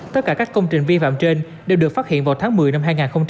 tất cả các công trình vi phạm trên đều được phát hiện vào tháng một mươi năm hai nghìn hai mươi ba